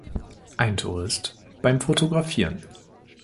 Ein Tourist beim Fotografieren.